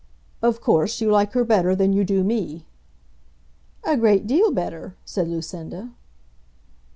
"Of course, you like her better than you do me." "A great deal better," said Lucinda.